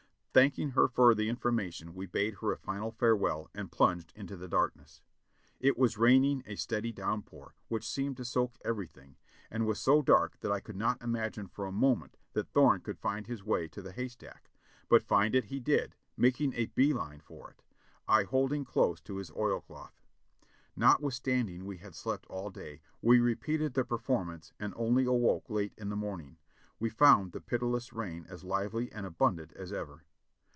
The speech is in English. Thanking her for the information we bade her a final farewell and plunged into the darkness. It was raining a steady downpour, which seemed to soak every thing, and was so dark that I could not imagine for a moment that Thorne could find his way to the haystack ; but find it he did, making a bee line for it, I holding close to his oilcloth. Notwithstanding we had slept all day, we repeated the perform ance and only awoke late in the morning; we found the pitiless rain as lively and abundant as ever.